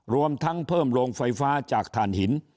รวมทั้งเพิ่มโรงไฟฟ้าจากฐานหิน